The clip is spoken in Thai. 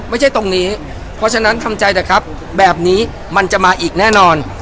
ไม่ใช่ตรงนี้เพราะฉะนั้นทำใจเถอะครับแบบนี้มันจะมาอีกแน่นอน